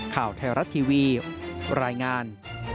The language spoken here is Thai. ข่าวไทยรัฐทีวีรายงาน